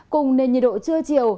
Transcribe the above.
cùng nền nhiệt độ trưa chiều